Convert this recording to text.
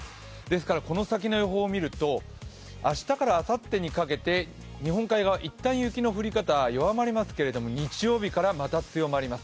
この先の予報を見ると、明日からあさってにかけて日本海側一旦雪の降り方は弱まりますが日曜日からまた強まります。